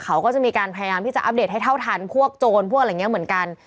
เขาก็จะมีการพยายามที่จะอัปเดตให้เท่าทันพวกโจรพวกอะไรอย่างนี้เหมือนกัน